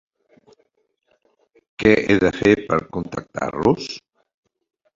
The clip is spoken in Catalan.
Que he de fer per contractar-los?